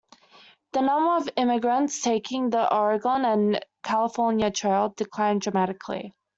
The number of emigrants taking the Oregon and California Trail declined dramatically.